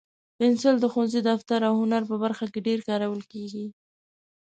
پنسل د ښوونځي، دفتر، او هنر په برخه کې ډېر کارول کېږي.